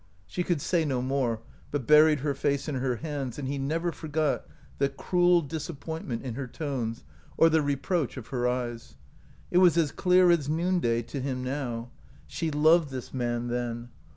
She could say no more, but buried her face in her hands, and he never forgot the cruel disappointment in her tones or the reproach of her eyes. It was as clear as noonday to him now. She loved this man, then.